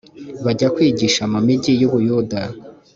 bajya kwigisha mu migi y u buyuda